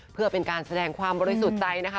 เพื่อเป็นการแสดงความบริสุทธิ์ใจนะคะ